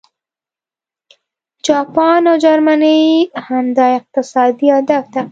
جاپان او جرمني هم دا اقتصادي هدف تعقیبوي